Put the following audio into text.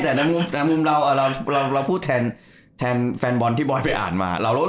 แต่แด้ในมุมเราววเราแทนแฟนบอลที่บอยไปอ่านมา